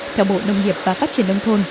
theo bộ nông nghiệp và phát triển đông thôn